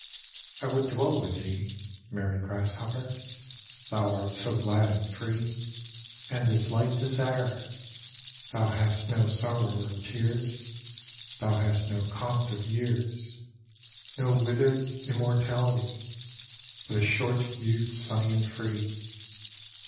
II I would dwell with thee, Merry grasshopper, Thou art so glad and free, And as light as air; Thou hast no sorrow or tears, Thou hast no compt of years, No withered immortality, But a short youth sunny and free.